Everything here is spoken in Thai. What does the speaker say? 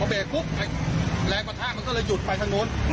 พอเบรกปุ๊บแรงมาท่ามันก็เลยหยุดไปทางโนโล่น